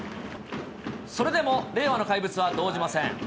それでも令和の怪物は動じません。